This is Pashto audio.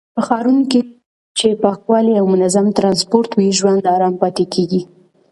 په ښارونو کې چې پاکوالی او منظم ټرانسپورټ وي، ژوند آرام پاتې کېږي.